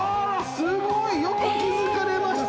◆すごい、よく気づかれました。